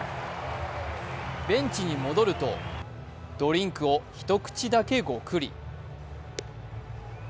ベンチに戻るとドリンクを一口だけごくり。